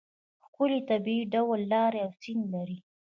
ښکلې طبیعي ډوله لارې او سیند لري.